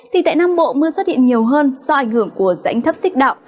thì tại nam bộ mưa xuất hiện nhiều hơn do ảnh hưởng của rãnh thấp xích đạo